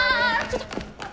ちょっと！